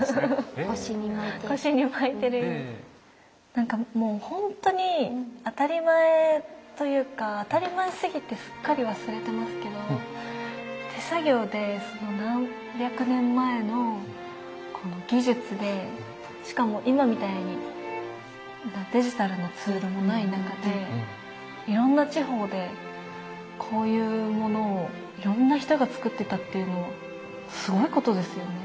何かもうほんとに当たり前というか当たり前すぎてすっかり忘れてますけど手作業で何百年前の技術でしかも今みたいにデジタルのツールもない中でいろんな地方でこういうものをいろんな人がつくってたっていうのはすごいことですよね。